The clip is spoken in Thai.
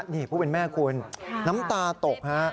นี่ผู้เป็นแม่คุณน้ำตาตกฮะ